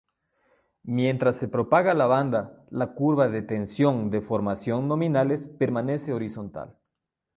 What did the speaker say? Mientras se propaga la banda, la curva de tensión-deformación nominales permanece horizontal.